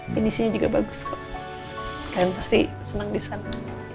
pinisinya juga bagus kak kalian pasti senang di sana